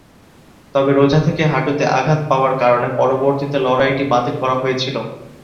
তবে রোজা থেকে হাঁটুতে আঘাত পাওয়ার কারণে পরবর্তীতে লড়াইটি বাতিল করা হয়েছিল।